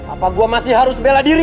apa gue masih harus bela diri